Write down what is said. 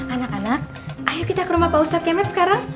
anak anak ayo kita ke rumah pak ustadz kemet sekarang